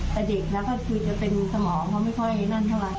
ครับแต่เด็กแล้วก็คุยจะเป็นสมองเขาไม่ค่อยเห็นนั่นเท่าไหร่